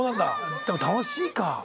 でも楽しいか。